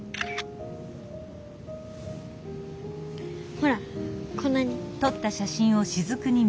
ほらこんなに。